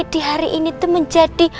di hari ini itu menjadi